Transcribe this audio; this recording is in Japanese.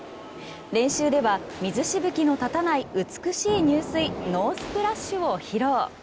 練習では水しぶきの立たない美しい入水ノースプラッシュを披露。